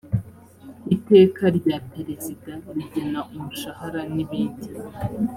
iteka rya perezida rigena umushahara n ibindi